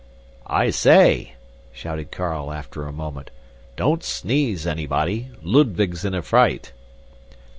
"I say," shouted Carl after a moment, "don't sneeze, anybody. Ludwig's in a fright!"